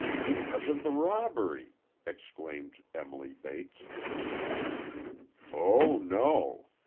"Because of the robbery!" exclaimed Emily Bates. "Oh, no!"